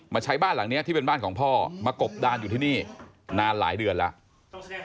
ใช้บ้านหลังนี้ที่เป็นบ้านของพ่อมากบดานอยู่ที่นี่นานหลายเดือนแล้ว